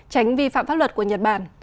tránh vi phạm pháp luật của nhật bản